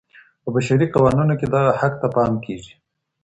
په بشري قوانينو کي دغه حق ته پام کېږي.